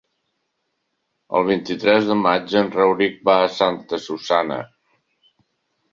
El vint-i-tres de maig en Rauric va a Santa Susanna.